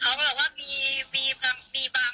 แต่ว่าวิญญาณเขาน่ะไม่มีพลังกันเลยอ่อนแอบมาก